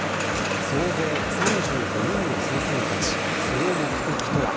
総勢３５人の捜査員たちその目的とは。